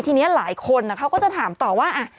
ทีนี้หลายคนเขาก็จะถามต่อว่า